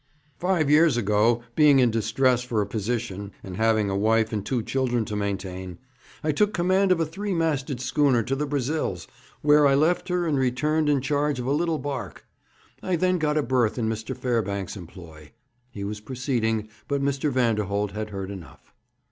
'Five years ago, being in distress for a position, and having a wife and two children to maintain, I took command of a three masted schooner to the Brazils, where I left her and returned in charge of a little barque. I then got a berth in Mr. Fairbanks' employ ' He was proceeding, but Mr. Vanderholt had heard enough.